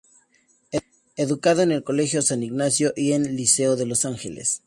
Educado en el Colegio San Ignacio y en el Liceo de Los Ángeles.